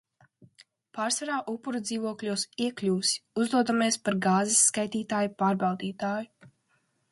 Pārsvarā upuru dzīvokļos iekļuvis, uzdodamies par gāzes skaitītāju pārbaudītāju.